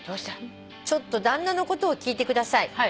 ちょっと旦那のことを聞いてください」